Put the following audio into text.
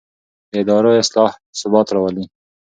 د ادارو اصلاح ثبات راولي